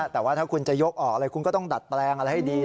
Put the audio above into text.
แต่ว่าถ้าคุณจะยกออกเลยคุณก็ต้องดัดแปลงอะไรให้ดี